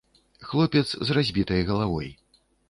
Хлопец з разбітай галавой.